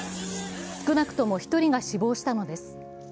少なくとも１人が死亡したのです。